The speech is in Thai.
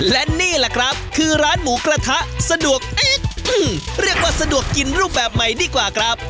และนี่แหละครับคือร้านหมูกระทะสะดวกเอ๊ะเรียกว่าสะดวกกินรูปแบบใหม่ดีกว่าครับ